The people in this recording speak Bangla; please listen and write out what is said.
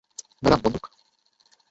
ম্যাডাম, বন্দুক?